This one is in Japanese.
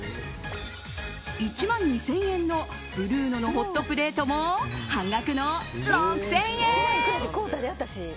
１万２０００円のブルーノのホットプレートも半額の６０００円。